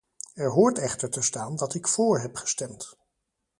Er hoort echter te staan dat ik voor heb gestemd.